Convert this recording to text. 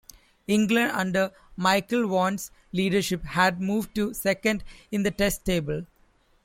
England, under Michael Vaughan's leadership, had moved to second in the Test table.